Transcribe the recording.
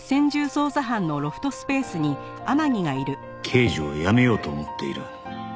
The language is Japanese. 「刑事を辞めようと思っている」